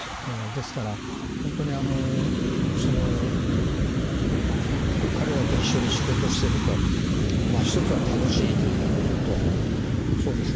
ですからほんとにその彼らと一緒に仕事してると一つは楽しいということとそうですね